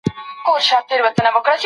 ګاونډیان باید د یو بل خبر واخلي.